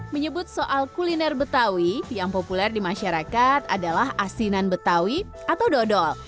menyebut soal kuliner betawi yang populer di masyarakat adalah asinan betawi atau dodol